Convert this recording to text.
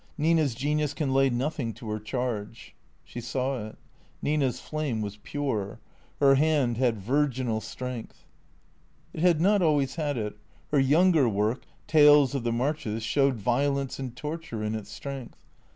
Nina 's genius can lay nothing to her charge." She saw it. Nina's flame was pure. Her hand had virginal strength. It had not always had it. Her younger work, " Tales of the Marches," showed violence and torture in its strength.